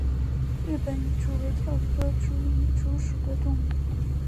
日本蚁蛛为跳蛛科蚁蛛属的动物。